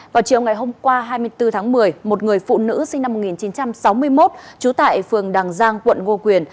vào chiều ngày hôm qua hai mươi bốn tháng một mươi một người phụ nữ sinh năm một nghìn chín trăm sáu mươi một trú tại phường đàng giang quận ngo quyền